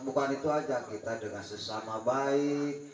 bukan itu saja kita dengan sesama baik